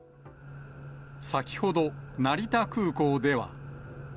先ほど、成田空港では。